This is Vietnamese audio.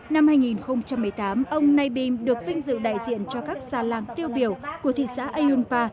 năm hai nghìn một mươi tám ông nay bim được vinh dự đại diện cho các xa làng tiêu biểu của thị xã ayunpa